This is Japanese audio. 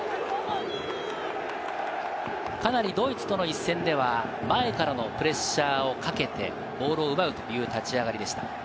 かなりドイツとの一戦では、前からのプレッシャーをかけてボールを奪うという立ち上がりでした。